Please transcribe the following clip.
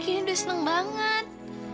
candy udah seneng banget